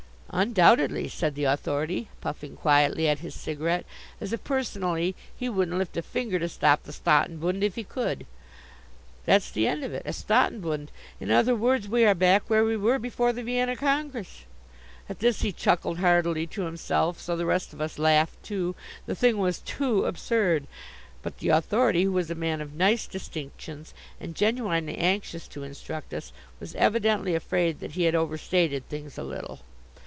"Undoubtedly," said the Authority, puffing quietly at his cigarette, as if personally he wouldn't lift a finger to stop the Staatenbund if he could, "that's the end of it, a Staatenbund. In other words, we are back where we were before the Vienna Congress!" At this he chuckled heartily to himself: so the rest of us laughed too: the thing was too absurd. But the Authority, who was a man of nice distinctions and genuinely anxious to instruct us, was evidently afraid that he had overstated things a little.